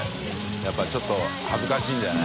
やっぱりちょっと恥ずかしいんじゃない？